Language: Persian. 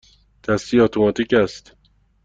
دستی یا اتوماتیک است؟